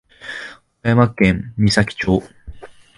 岡山県美咲町